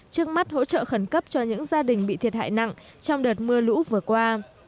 trước mắt hỗ trợ khẩn cấp cho những gia đình bị thiệt hại nặng trong đợt mưa lũ vừa qua